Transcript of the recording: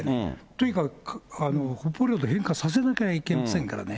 とにかく、北方領土返還させなきゃいけませんからね。